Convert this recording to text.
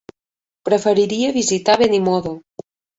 Preferiria visitar Benimodo.